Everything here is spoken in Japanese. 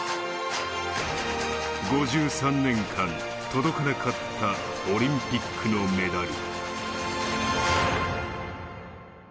５３年間、届かなかったオリンピックのメダル。